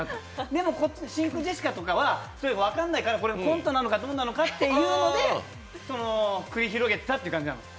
でも真空ジェシカとかはそれ、分かんないからコントなのかどうなのかってことで繰り広げてたってことなんです。